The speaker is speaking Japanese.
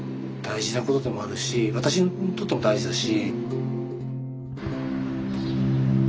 私にとっても大事だし。